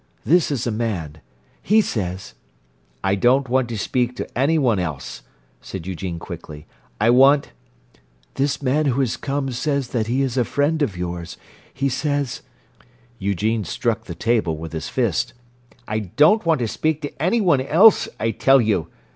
This is a man. He says—" "I don't want to speak to any one else," said Eugene quickly. "I want—" "This man who has come says that he is a friend of yours. He says—" Eugene struck the table with his fist. "I don't want to speak to any one else, I tell you!"